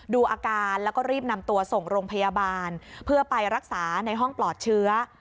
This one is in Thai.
ดูอาการแล้วก็รีบนำตัวส่งโรงพยาบาลเพื่อไปรักษาในห้องปลอดเชื้อ